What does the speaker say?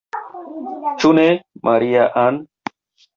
Ĉu ne, Maria-Ann?